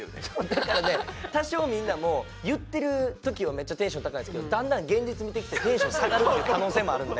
だからね多少みんなも言ってる時はめっちゃテンション高いんすけどだんだん現実見てきてテンション下がるっていう可能性もあるんで。